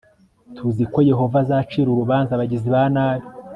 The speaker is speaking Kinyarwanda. tuzi ko yehova azacira urubanza abagizi ba nabi